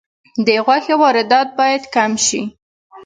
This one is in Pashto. د غوښې واردات باید کم شي